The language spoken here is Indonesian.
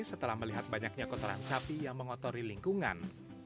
setelah melihat banyaknya kotoran sapi yang mengotori lingkungan